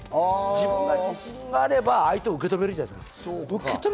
自分に自信があれば、相手を受けとめるじゃないですか。